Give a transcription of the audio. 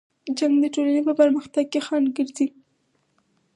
جنګ د ټولنې په پرمختګ کې خنډ ګرځي.